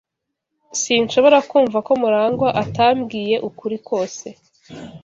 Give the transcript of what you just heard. Sinshobora kumva ko MuragwA atambwiye ukuri kose.